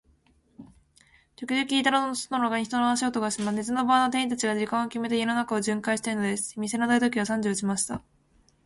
ときどき、板戸の外の廊下に、人の足音がします。寝ずの番の店員たちが、時間をきめて、家中を巡回じゅんかいしているのです。店の大時計が三時を打ちました。